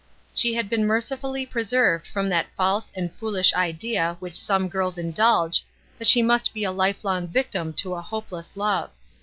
She had been mercifully preserved from that false and foolish idea which some girls indulge — that she must be a lifelong victim to a hopeless love.